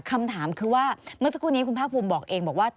คำถามคือว่าเมื่อสักครู่นี้คุณภาคภูมิบอกเองบอกว่า